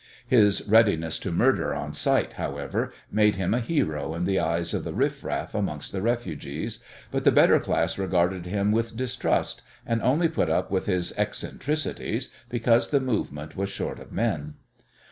His readiness to murder on sight, however, made him a hero in the eyes of the riff raff amongst the refugees, but the better class regarded him with distrust, and only put up with his "eccentricities" because the movement was short of men.